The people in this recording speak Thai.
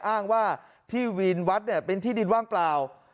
อ้างว่าที่วินวัดเนี่ยเป็นที่ดินว่างเปล่า